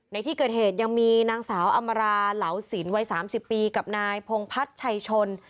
ในที่เกิดเหตุยังมีนางสาวอำมาราเหลาสินวัย๓๐ปีกับนายพงพัฒน์ชัยชน